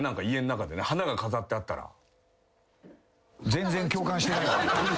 全然共感してない。